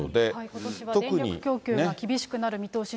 ことしは電力供給が厳しくなる見通し。